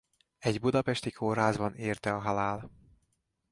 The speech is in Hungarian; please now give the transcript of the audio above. Egy budapesti kórházban érte a halál.